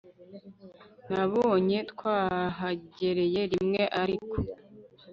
nabonye twahagereye rimwe ariko